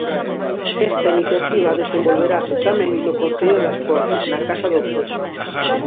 Esta iniciativa desenvolverase tamén no concello das Pontes, na Casa do Peso.